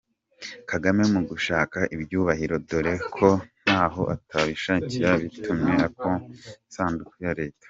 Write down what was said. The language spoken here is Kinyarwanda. Kagame mu gushaka ibyubahiro dore ko ntaho atabishakira bitumye akomba isanduku ya leta.